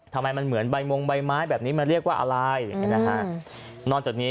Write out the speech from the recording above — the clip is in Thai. ทำไมมันเหมือนใบมงใบไม้แบบนี้มันเรียกว่าอะไร